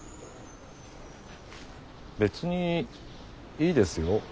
別にいいですよ